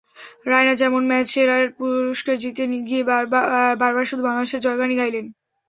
রায়না যেমন ম্যাচ সেরার পুরস্কার নিতে গিয়ে বারবার শুধু বাংলাদেশের জয়গানই গাইলেন।